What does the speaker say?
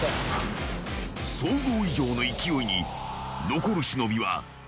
［想像以上の勢いに残る忍は撤退］